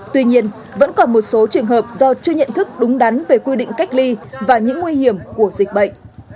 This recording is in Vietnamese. tuy nhiên vẫn còn một số trường hợp do chưa nhận thức đúng đắn về quy định cách ly và những nguy hiểm của dịch bệnh